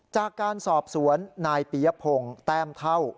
จากการสอบสวนนายปียพงศ์แต้มเท่า